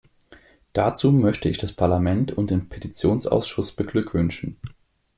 Dazu möchte ich das Parlament und den Petitionsausschuss beglückwünschen.